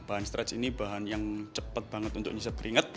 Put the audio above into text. bahan stretch ini bahan yang cepat banget untuk nyeset keringet